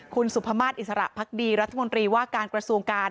คุณสุภามาศอิสระพักดีรัฐมนตรีว่าการกระทรวงการ